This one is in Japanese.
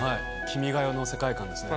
君が代の世界観ですね。